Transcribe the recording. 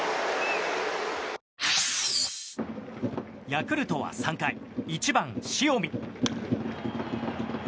ヤクルトは３回１番、塩見。